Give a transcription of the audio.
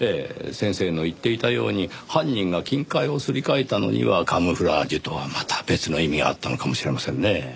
先生の言っていたように犯人が金塊をすり替えたのにはカムフラージュとはまた別の意味があったのかもしれませんねぇ。